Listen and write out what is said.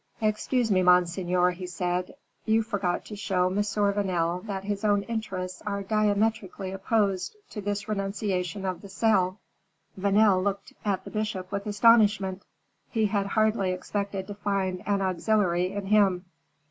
"Excuse me, monseigneur," he said; "you forgot to show M. Vanel that his own interests are diametrically opposed to this renunciation of the sale." Vanel looked at the bishop with astonishment; he had hardly expected to find an auxiliary in him.